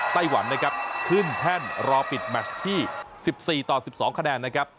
ไต้หวันนะครับขึ้นแท่นรอปิดแมชที่๑๔ต่อ๑๒คะแนนนะครับ